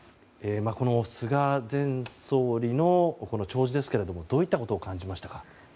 この菅前総理の弔辞ですがどういったことを感じましたか。